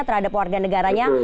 terhadap warga negaranya